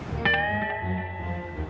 beneran bisa marah mama tuh